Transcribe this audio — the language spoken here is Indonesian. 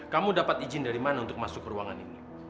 kamu dapat izin dari mana untuk masuk ke ruangan ini